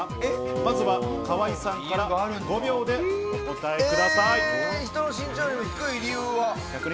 まずは河井さんから５秒でお答えください。